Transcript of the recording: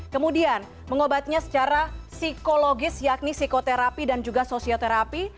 kemudian mengobatinya secara psikologis yakni psikoterapi dan juga sosioterapi